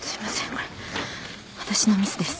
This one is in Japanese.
これ私のミスです。